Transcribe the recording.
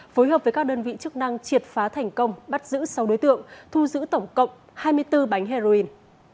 phối hợp với các đơn vị chức năng triệt phá thành công bắt giữ sáu đối tượng thu giữ tổng cộng hai mươi bốn bánh heroin